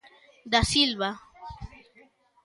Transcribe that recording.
Dasilva.